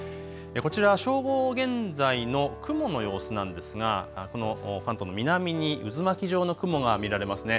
こちら正午現在の雲の様子なんですが、この関東の南に渦巻き状の雲が見られますね。